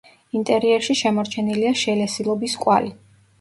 ინტერიერში შემორჩენილია შელესილობის კვალი.